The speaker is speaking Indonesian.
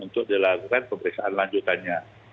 untuk dilakukan pemeriksaan lanjutannya